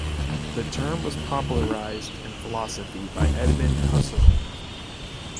The term was popularized in philosophy by Edmund Husserl.